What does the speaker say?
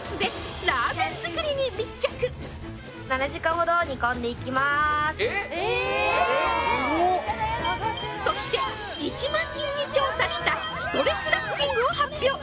もうこのあとえっえっそして１万人に調査したストレスランキングを発表